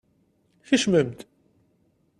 Kecmem-d!